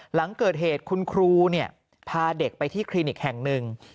หลังเกิดเหตุคุณครูพาเด็กไปที่คลินิกแห่งหนึ่ง